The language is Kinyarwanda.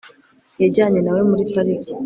yajyanye na we muri pariki